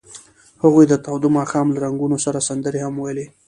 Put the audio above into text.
هغوی د تاوده ماښام له رنګونو سره سندرې هم ویلې.